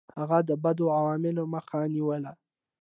هغه د بدو عواملو مخه نیوله.